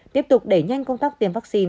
tiếp tục đẩy nhanh công tác tiêm vaccine